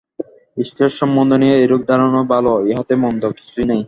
ঈশ্বর-সম্বন্ধীয় এরূপ ধারণাও ভাল, ইহাতে মন্দ কিছুই নাই।